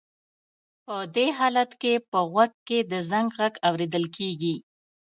په دې حالت کې په غوږ کې د زنګ غږ اورېدل کېږي.